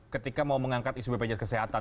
ketika mau mengangkat isu bpjs kesehatan